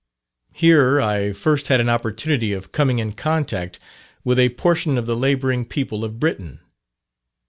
Here I first had an opportunity of coming in contact with a portion of the labouring people of Britain.